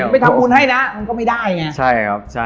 ไปทำภูมิให้นะมันก็ไม่ได้ไง